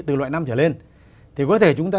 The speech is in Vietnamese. từ loại năm trở lên thì có thể chúng ta